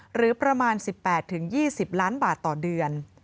หรือประมาณ๑๘๒๐ล้านบาทต่อเดือน